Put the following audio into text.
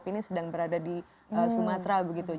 project pop ini sedang berada di sumatera